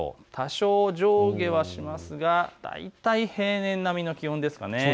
多少、上下はしますが大体平年並みの気温です。